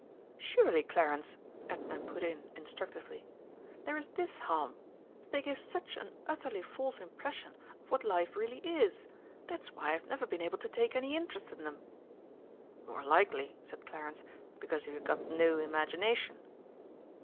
"Surely, Clarence," Edna put in instructively, "there is this harm they give such an utterly false impression of what life really is! That's why I've never been able to take any interest in them." "More likely," said Clarence, "because you've got no imagination."